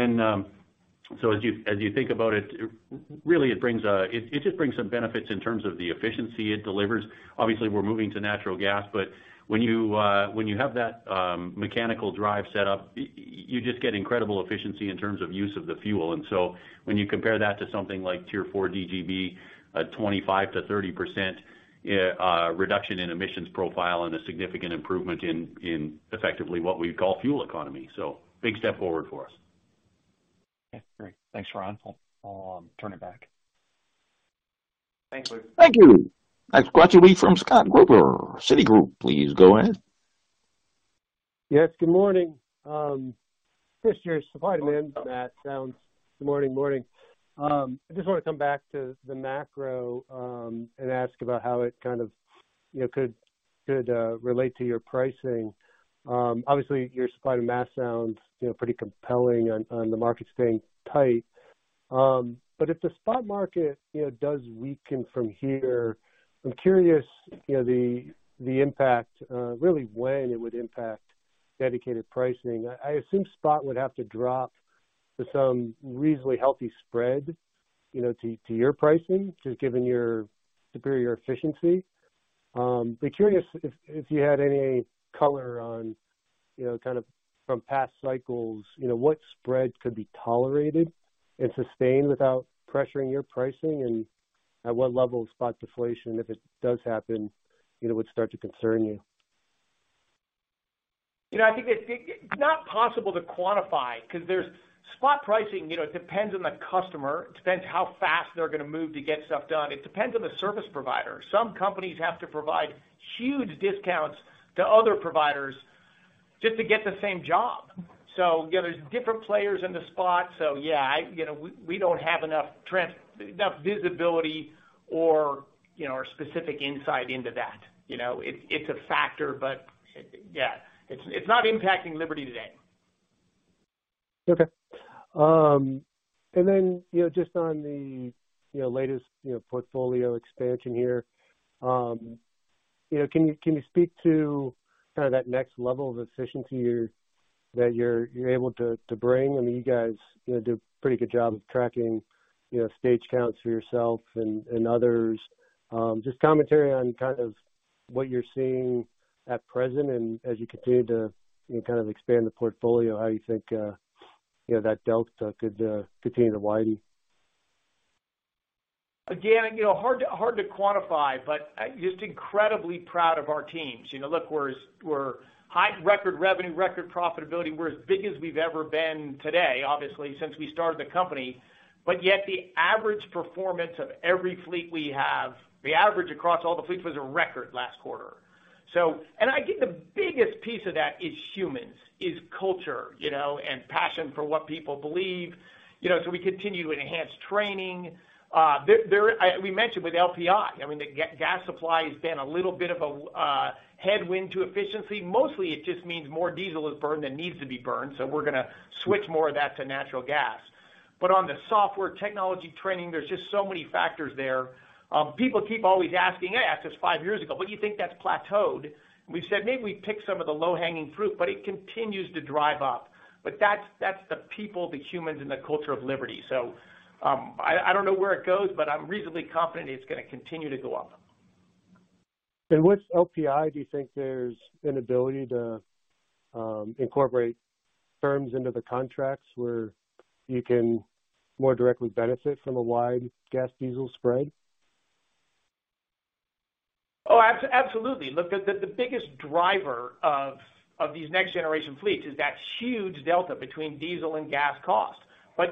you think about it, really, it just brings some benefits in terms of the efficiency it delivers. Obviously, we're moving to natural gas, but when you have that mechanical drive set up, you just get incredible efficiency in terms of use of the fuel. When you compare that to something like Tier IV DGB, a 25%-30% reduction in emissions profile and a significant improvement in effectively what we'd call fuel economy. Big step forward for us. Okay, great. Thanks, Ron. I'll turn it back. Thanks, Luke. Thank you. Next question will be from Scott Gruber, Citigroup. Please go ahead. Yes, good morning. Chris, your supply demand. Good morning. I just wanna come back to the macro and ask about how it kind of, you know, could relate to your pricing. Obviously, your supply to math sounds, you know, pretty compelling on the market staying tight. If the spot market, you know, does weaken from here, I'm curious, you know, the impact really when it would impact dedicated pricing. I assume spot would have to drop to some reasonably healthy spread, you know, to your pricing, just given your superior efficiency. Be curious if you had any color on, you know, kind of from past cycles, you know, what spreads could be tolerated and sustained without pressuring your pricing and at what level of spot deflation, if it does happen, you know, would start to concern you. You know, I think it's not possible to quantify 'cause there's spot pricing, you know, it depends on the customer. It depends how fast they're gonna move to get stuff done. It depends on the service provider. Some companies have to provide huge discounts to other providers just to get the same job. You know, there's different players in the spot. Yeah, I, you know, we don't have enough visibility or, you know, specific insight into that. You know, it's a factor, but yeah, it's not impacting Liberty today. Okay. You know, just on the, you know, latest, you know, portfolio expansion here, you know, can you, can you speak to kind of that next level of efficiency that you're able to bring? I mean, you guys, you know, do a pretty good job of tracking, you know, stage counts for yourself and others. Just commentary on kind of what you're seeing at present and as you continue to, you know, kind of expand the portfolio, how you think, you know, that delta could continue to widen. Again, you know, hard to quantify, but just incredibly proud of our teams. You know, look, we're high record revenue, record profitability. We're as big as we've ever been today, obviously, since we started the company. Yet the average performance of every fleet we have, the average across all the fleets was a record last quarter. I think the biggest piece of that is humans, is culture, you know, and passion for what people believe, you know. We continue to enhance training. We mentioned with LPI, I mean, the gas supply has been a little bit of a headwind to efficiency. Mostly, it just means more diesel is burned than needs to be burned, so we're gonna switch more of that to natural gas. On the software technology training, there's just so many factors there. People keep always asking, they asked us five years ago, "What do you think that's plateaued?" We've said maybe we've picked some of the low-hanging fruit, but it continues to drive up. That's the people, the humans, and the culture of Liberty. I don't know where it goes, but I'm reasonably confident it's gonna continue to go up. With LPI, do you think there's an ability to incorporate terms into the contracts where you can more directly benefit from a wide gas diesel spread? Absolutely. Look, the biggest driver of these next-generation fleets is that huge delta between diesel and gas cost.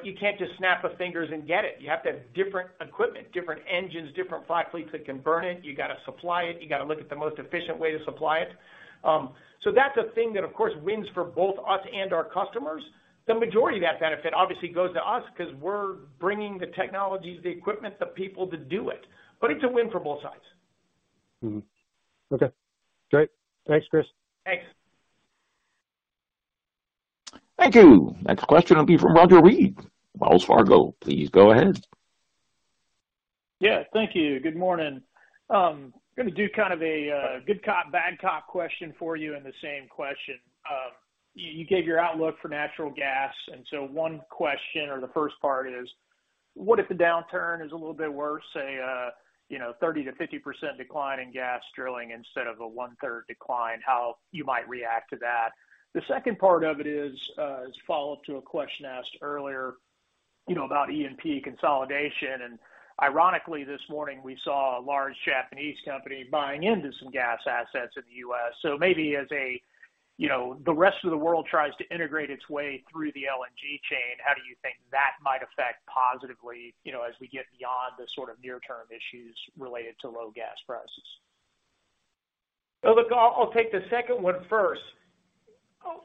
You can't just snap your fingers and get it. You have to have different equipment, different engines, different fleet that can burn it. You gotta supply it. You gotta look at the most efficient way to supply it. That's a thing that, of course, wins for both us and our customers. The majority of that benefit obviously goes to us 'cause we're bringing the technologies, the equipment, the people to do it. It's a win for both sides. Okay, great. Thanks, Chris. Thanks. Thank you. Next question will be from Roger Read, Wells Fargo. Please go ahead. Yeah, thank you. Good morning. gonna do kind of a good cop, bad cop question for you in the same question. You gave your outlook for natural gas, so one question or the first part is: What if the downturn is a little bit worse, say, a, you know, 30%-50% decline in gas drilling instead of a one-third decline, how you might react to that? The second part of it is follow-up to a question asked earlier, you know, about E&P consolidation. Ironically, this morning, we saw a large Japanese company buying into some gas assets in the U.S. Maybe as a, you know, the rest of the world tries to integrate its way through the LNG chain, how do you think that might affect positively, you know, as we get beyond the sort of near-term issues related to low gas prices? Well, look, I'll take the second one first.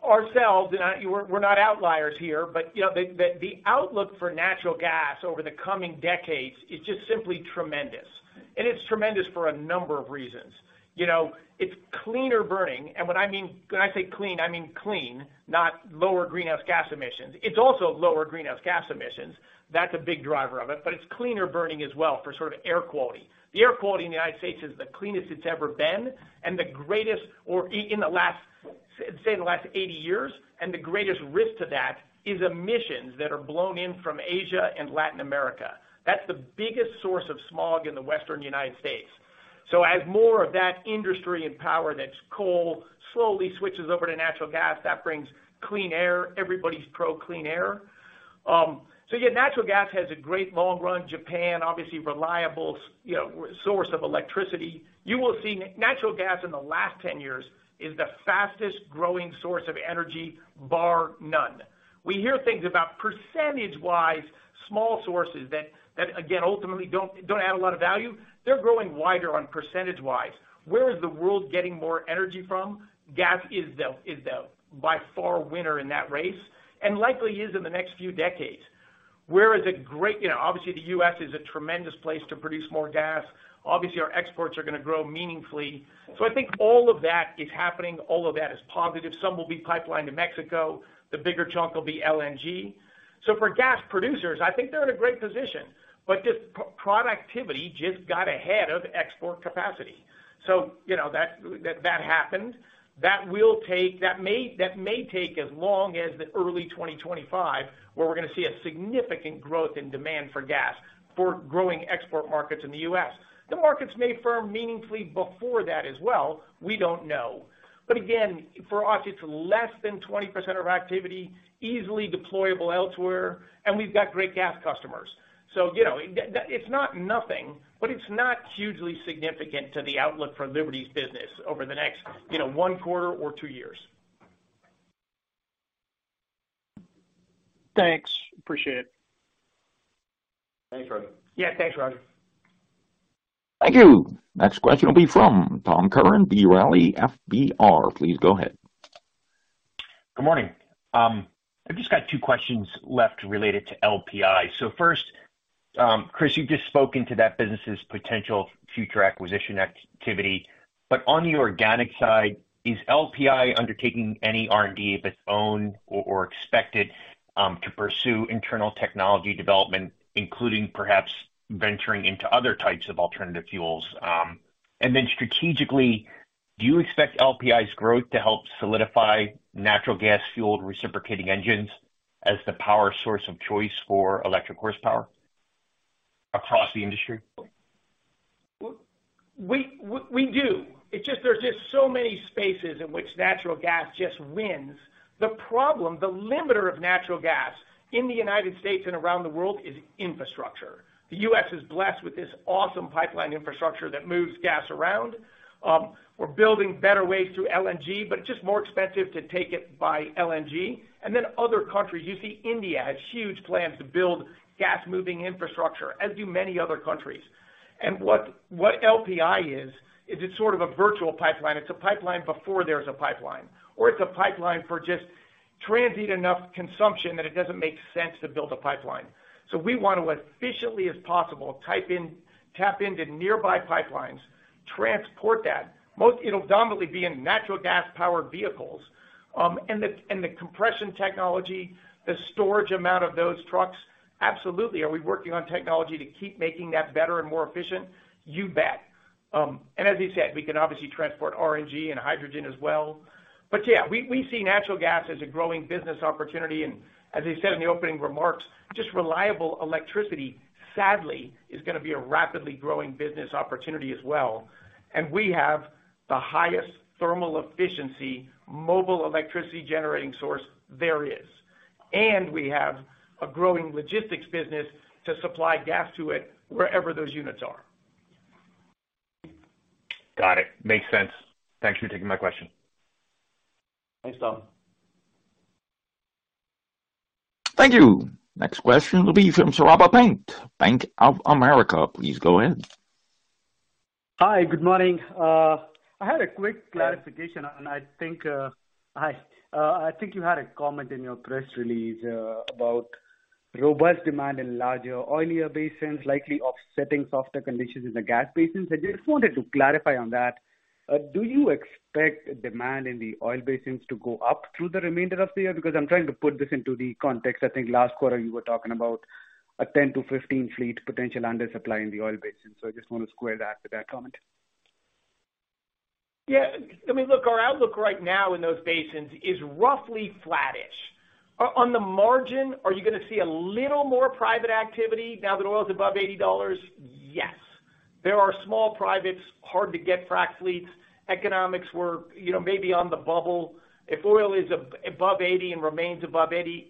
Ourselves, and we're not outliers here, but, you know, the outlook for natural gas over the coming decades is just simply tremendous. It's tremendous for a number of reasons. You know, it's cleaner burning, and what I mean when I say clean, I mean clean, not lower greenhouse gas emissions. It's also lower greenhouse gas emissions. That's a big driver of it, but it's cleaner burning as well for sort of air quality. The air quality in the United States is the cleanest it's ever been, and the greatest in the last say in the last 80 years, and the greatest risk to that is emissions that are blown in from Asia and Latin America. That's the biggest source of smog in the Western United States. As more of that industry and power that's coal slowly switches over to natural gas, that brings clean air. Everybody's pro clean air. Yeah, natural gas has a great long run. Japan, obviously reliable you know, source of electricity. You will see natural gas in the last 10 years is the fastest growing source of energy, bar none. We hear things about percentage-wise small sources that again, ultimately don't add a lot of value. They're growing wider on percentage-wise. Where is the world getting more energy from? Gas is the by far winner in that race, and likely is in the next few decades. You know, obviously the U.S. is a tremendous place to produce more gas. Obviously, our exports are gonna grow meaningfully. I think all of that is happening, all of that is positive. Some will be pipelined to Mexico. The bigger chunk will be LNG. For gas producers, I think they're in a great position, but just productivity just got ahead of export capacity. You know, that happened. That may take as long as the early 2025, where we're gonna see a significant growth in demand for gas for growing export markets in the U.S. The markets may firm meaningfully before that as well. We don't know. Again, for us, it's less than 20% of our activity, easily deployable elsewhere, and we've got great gas customers. You know, it's not nothing, but it's not hugely significant to the outlook for Liberty's business over the next, you know, one quarter or two years. Thanks. Appreciate it. Thanks, Roger. Yeah. Thanks, Roger. Thank you. Next question will be from Tom Curran, B. Riley Securities. Please go ahead. Good morning. I've just got two questions left related to LPI. First, Chris, you've just spoken to that business' potential future acquisition activity. On the organic side, is LPI undertaking any R&D of its own or expected to pursue internal technology development, including perhaps venturing into other types of alternative fuels? Strategically, do you expect LPI's growth to help solidify natural gas fueled reciprocating engines as the power source of choice for electric horsepower across the industry? We do. It's just, there's just so many spaces in which natural gas just wins. The problem, the limiter of natural gas in the United States and around the world is infrastructure. The U.S. is blessed with this awesome pipeline infrastructure that moves gas around. We're building better ways through LNG, but it's just more expensive to take it by LNG. Other countries. You see India has huge plans to build gas moving infrastructure, as do many other countries. What LPI is, it's sort of a virtual pipeline. It's a pipeline before there's a pipeline, or it's a pipeline for just transient enough consumption that it doesn't make sense to build a pipeline. So we want to, efficiently as possible, tap into nearby pipelines, transport that. It'll dominantly be in natural gas powered vehicles. The compression technology, the storage amount of those trucks, absolutely. Are we working on technology to keep making that better and more efficient? You bet. As you said, we can obviously transport RNG and hydrogen as well. Yeah, we see natural gas as a growing business opportunity. As I said in the opening remarks, just reliable electricity, sadly, is gonna be a rapidly growing business opportunity as well. We have the highest thermal efficiency, mobile electricity generating source there is. We have a growing logistics business to supply gas to it wherever those units are. Got it. Makes sense. Thanks for taking my question. Thanks, Tom. Thank you. Next question will be from Saurabh Pant, Bank of America. Please go ahead. Hi, good morning. I had a quick clarification on, I think you had a comment in your press release, about robust demand in larger oilier basins likely offsetting softer conditions in the gas basins. I just wanted to clarify on that. Do you expect demand in the oil basins to go up through the remainder of the year? I'm trying to put this into the context. I think last quarter you were talking about a 10-15 fleet potential undersupply in the oil basin. I just wanna square that with that comment. Yeah. I mean, look, our outlook right now in those basins is roughly flattish. On the margin, are you gonna see a little more private activity now that oil is above $80? Yes. There are small privates, hard to get frac fleets. Economics were, you know, maybe on the bubble. If oil is above $80 and remains above $80,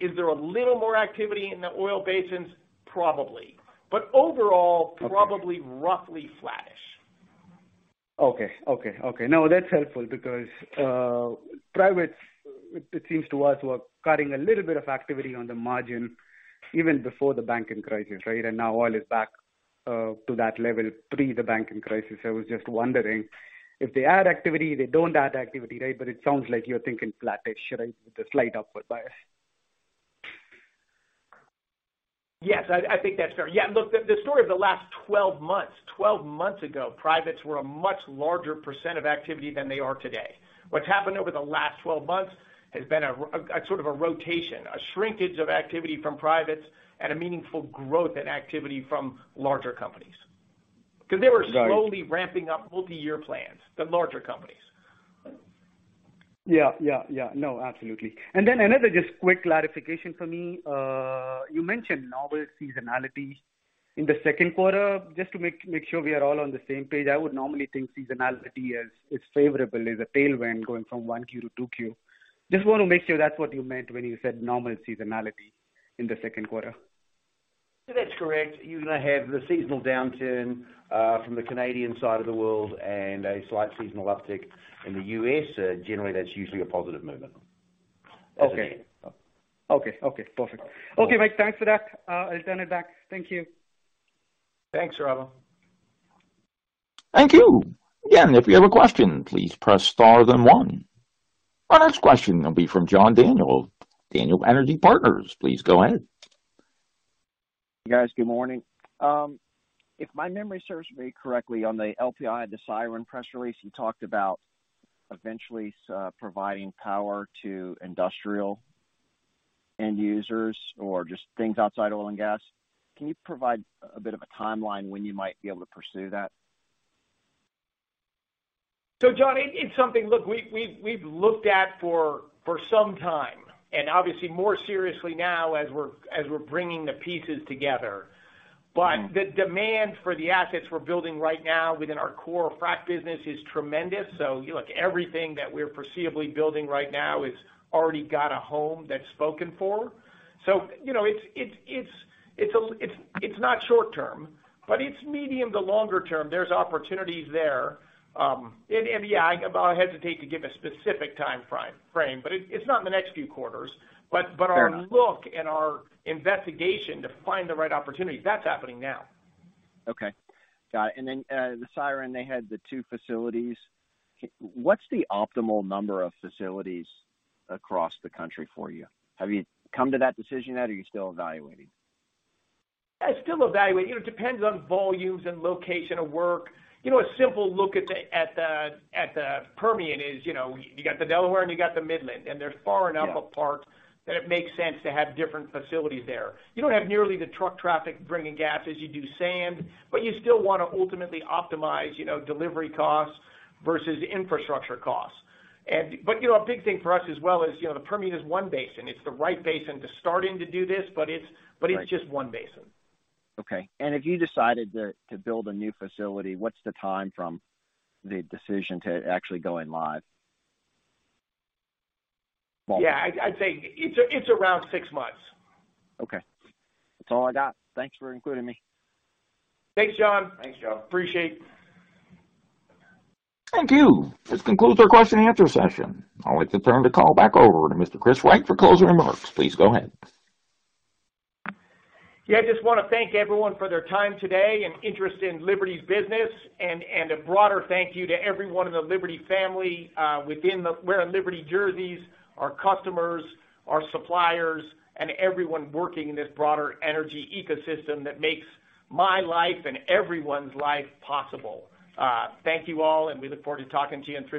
is there a little more activity in the oil basins? Probably. Overall... Okay. Probably roughly flattish. Okay. Okay. Okay. No, that's helpful because privates, it seems to us, were cutting a little bit of activity on the margin even before the banking crisis, right? Now oil is back to that level pre the banking crisis. I was just wondering if they add activity, they don't add activity, right? It sounds like you're thinking flattish, right? With a slight upward bias. Yes, I think that's fair. Yeah, look, the story of the last 12 months. 12 months ago, privates were a much larger precent of activity than they are today. What's happened over the last 12 months has been a sort of a rotation, a shrinkage of activity from privates and a meaningful growth in activity from larger companies. Right. 'Cause they were slowly ramping up multi-year plans, the larger companies. Yeah, yeah. No, absolutely. Then another just quick clarification for me. You mentioned novel seasonality in the second quarter. Just to make sure we are all on the same page, I would normally think seasonality as is favorable as a tailwind going from 1Q to 2Q. Just wanna make sure that's what you meant when you said normal seasonality in the second quarter. That's correct. You're gonna have the seasonal downturn, from the Canadian side of the world and a slight seasonal uptick in the U.S. Generally, that's usually a positive movement. Okay. Okay. Okay, perfect. Okay, Mike, thanks for that. I'll turn it back. Thank you. Thanks, Saurabh. Thank you. Again, if you have a question, please press star then one. Our next question will be from John Daniel, Daniel Energy Partners. Please go ahead. Guys, good morning. If my memory serves me correctly, on the LPI, the Siren press release, you talked about eventually providing power to industrial end users or just things outside oil and gas. Can you provide a bit of a timeline when you might be able to pursue that? John, it's something, look, we've looked at for some time, and obviously more seriously now as we're bringing the pieces together. The demand for the assets we're building right now within our core frac business is tremendous. Look, everything that we're perceivably building right now has already got a home that's spoken for. You know, it's not short term, but it's medium to longer term. There's opportunities there. And yeah, I hesitate to give a specific timeframe, but it's not in the next few quarters. Fair enough. Our look and our investigation to find the right opportunity, that's happening now. Okay. Got it. The Siren Energy, they had the two facilities. What's the optimal number of facilities across the country for you? Have you come to that decision yet or are you still evaluating? Still evaluating. You know, it depends on volumes and location of work. You know, a simple look at the Permian is, you know, you got the Delaware and you got the Midland, and they're far enough apart... Yeah. -that it makes sense to have different facilities there. You don't have nearly the truck traffic bringing gas as you do sand, but you still wanna ultimately optimize, you know, delivery costs versus infrastructure costs. But, you know, a big thing for us as well is, you know, the Permian is one basin. It's the right basin to starting to do this, but it's just one basin. Okay. If you decided to build a new facility, what's the time from the decision to actually going live? Yeah, I'd say it's around six months. Okay. That's all I got. Thanks for including me. Thanks, John. Thanks, John. Appreciate. Thank you. This concludes our question and answer session. I'd like to turn the call back over to Mr. Chris Wright for closing remarks. Please go ahead. Yeah, I just wanna thank everyone for their time today and interest in Liberty's business. A broader thank you to everyone in the Liberty family, wearing Liberty jerseys, our customers, our suppliers, and everyone working in this broader energy ecosystem that makes my life and everyone's life possible. Thank you all, we look forward to talking to you in three months.